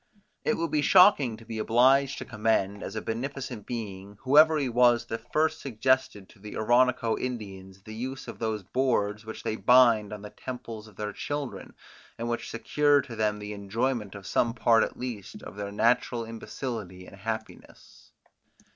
It would be shocking to be obliged to commend, as a beneficent being, whoever he was that first suggested to the Oronoco Indians the use of those boards which they bind on the temples of their children, and which secure to them the enjoyment of some part at least of their natural imbecility and happiness.